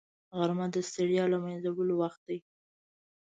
غرمه د ستړیا له منځه وړلو وخت دی